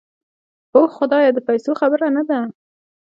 اوح خدايه د پيسو خبره نده.